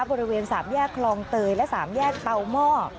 บริเวณ๓แยกคลองเตยและ๓แยกเตาหม้อ